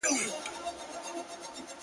ولي دي يو انسان ته دوه زړونه ور وتراشله,